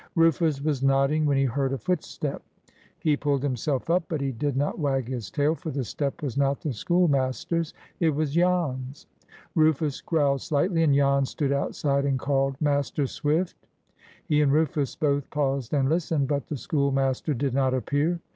Rufus was nodding, when he heard a footstep. He pulled himself up, but he did not wag his tail, for the step was not the schoolmaster's. It was Jan's. Rufus growled slightly, and Jan stood outside, and called, "Master Swift!" He and Rufus both paused and listened, but the schoolmaster did not appear.